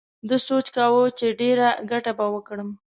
ده سوچ کاوه چې ډېره گټه به وکړم.